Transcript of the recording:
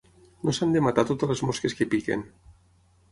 No s'han de matar totes les mosques que piquen.